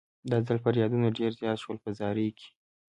دا ځل فریادونه ډېر زیات شول په زارۍ کې.